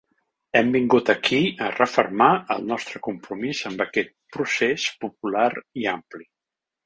Hem vingut aquí a refermar el nostre compromís amb aquest procés popular i ampli.